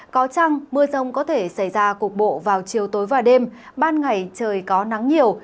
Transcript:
có trăng mưa rông có thể xảy ra cục bộ vào chiều tối và đêm ban ngày trời có nắng nhiều